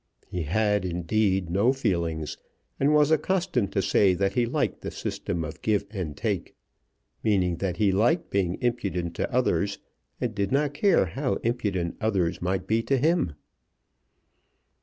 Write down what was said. He had, indeed, no feelings, and was accustomed to say that he liked the system of give and take, meaning that he liked being impudent to others, and did not care how impudent others might be to him.